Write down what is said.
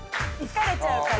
疲れちゃうから。